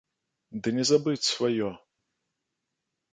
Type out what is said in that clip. Ды не забыць сваё!